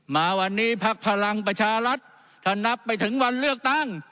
มาวันนี้พักพลังประชารัฐถ้านับไปถึงวันเลือกตั้ง